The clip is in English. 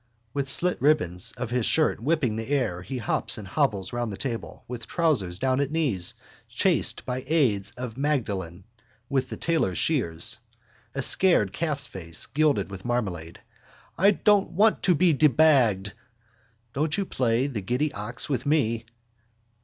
With slit ribbons of his shirt whipping the air he hops and hobbles round the table, with trousers down at heels, chased by Ades of Magdalen with the tailor's shears. A scared calf's face gilded with marmalade. I don't want to be debagged! Don't you play the giddy ox with me!